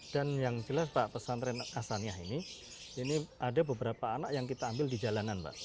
dan yang jelas pak pesantren asaniah ini ini ada beberapa anak yang kita ambil di jalanan pak